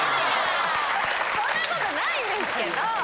そんな事ないんですけど。